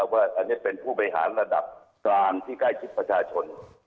ว่าอันนี้เป็นผู้บริหารระดับกลางที่ใกล้ชิดประชาชน